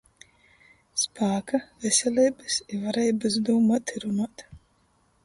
Spāka, veseleibys i vareibys dūmuot i runuot!!!